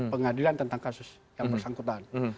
pengadilan tentang kasus yang bersangkutan